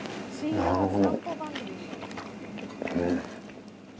なるほど。